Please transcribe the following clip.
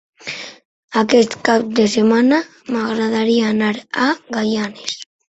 Aquest cap de setmana m'agradaria anar a Gaianes.